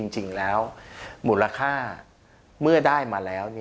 จริงแล้วหมุนลาคาเมื่อได้มาแล้ว